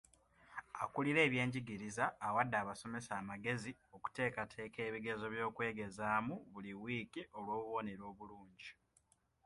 Akulira ebyenjigiriza awadde abasomesa amagezi okuteeketeeka ebigezo by'okwegezaamu buli wiiki olw'obubonero obulungi.